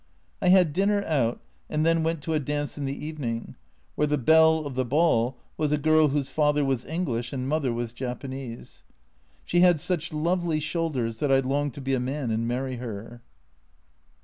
I had dinner out, and then went to a dance in the evening, where the belle of the ball was a girl whose father was English and mother was Japanese. She had such lovely shoulders that I longed to be a man and marry her.